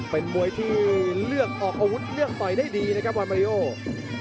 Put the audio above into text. เป็นมวยที่เลือกออกอาวุธเลือกต่อยได้ดีนะครับวันมาริโอ